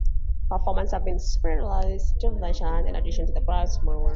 Performances have been sporadically televised in addition to the radio programs.